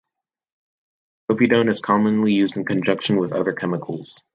Povidone is commonly used in conjunction with other chemicals.